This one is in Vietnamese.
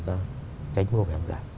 tránh mưa hàng dài